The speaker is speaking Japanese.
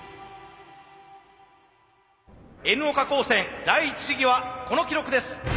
Ｎ岡高専第一試技はこの記録です。